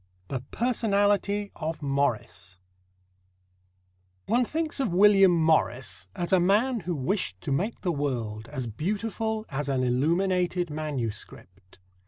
THE PERSONALITY OF MORRIS One thinks of William Morris as a man who wished to make the world as beautiful as an illuminated manuscript.